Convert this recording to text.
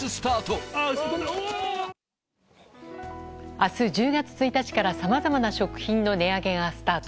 明日、１０月１日からさまざまな食品の値上げがスタート。